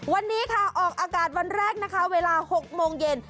วันนี้ค่ะออกอากาศวันแรกนะคะเวลา๖โมงเย็น